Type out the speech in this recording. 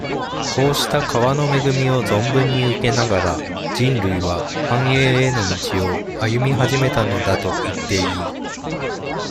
こうした川の恵みを存分に受けながら、人類は、繁栄への道を、歩み始めたのだといっていい。